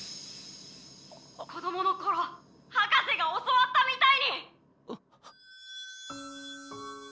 「子供の頃博士が教わったみたいに！」。